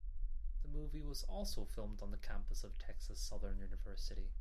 The movie was also filmed on the campus of Texas Southern University.